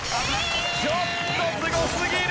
ちょっとすごすぎる！